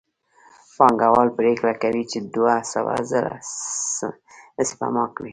پانګوال پرېکړه کوي چې دوه سوه زره سپما کړي